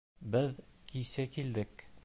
Беҙ кисә килдек.